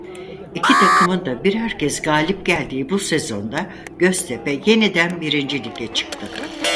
İki takımın da birer kez galip geldiği bu sezonda Göztepe yeniden birinci Lig'e çıktı.